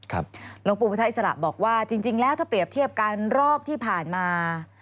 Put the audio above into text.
หลวงปู่พุทธอิสระบอกว่าจริงแล้วถ้าเปรียบเทียบกันรอบที่ผ่านมา